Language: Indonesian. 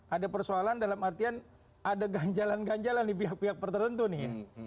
ada persoalan dalam artian ada ganjalan ganjalan di pihak pihak tertentu nih ya